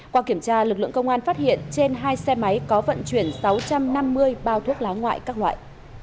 qua kiểm tra lực lượng công an phát hiện trên hai xe máy có vận chuyển sáu trăm năm mươi bao thuốc lá ngoại các loại